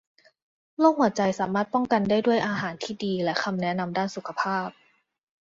โรคหัวใจสามารถป้องกันได้ด้วยอาหารที่ดีและคำแนะนำด้านสุขภาพ